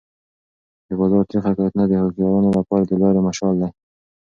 د بازار تریخ حقیقتونه د هوښیارانو لپاره د لارې مشال دی.